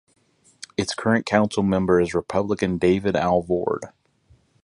Its current councilmember is Republican David Alvord.